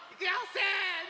せの。